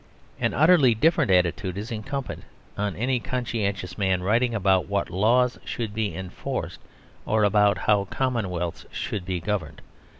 An utterly different attitude is incumbent on any conscientious man writing about what laws should be enforced or about how commonwealths should be governed.